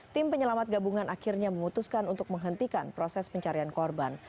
tim penyelamat gabungan akhirnya memutuskan untuk menghentikan proses pencarian korban